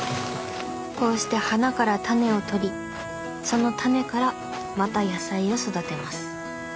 こうして花からタネをとりそのタネからまた野菜を育てます。